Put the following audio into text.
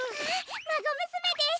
まごむすめです。